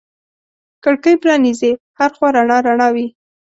کړکۍ پرانیزې هر خوا رڼا رڼا وي